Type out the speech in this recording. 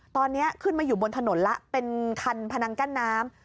ตอนนี้ขึ้นมาอยู่บนถนนแล้วเป็นคันพนังกั้นน้ำ